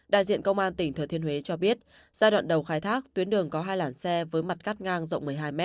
đại diện công an tỉnh thừa thiên huế cho biết giai đoạn đầu khai thác tuyến đường có hai làn xe với mặt cắt ngang rộng một mươi hai m